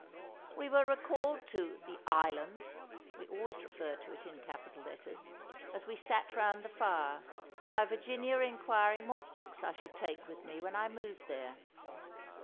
We were recalled to The Island (we always refer to it in capital letters) as we sat round the fire, by Virginia inquiring what books I should take with me when I moved there.